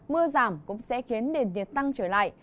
mưa giảm cũng sẽ khiến nền nhiệt tăng trở lại